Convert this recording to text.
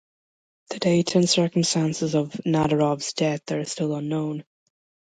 The date and circumstances of Nadarov’s death are still unknown.